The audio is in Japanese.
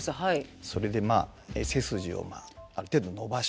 それで背筋をある程度伸ばして。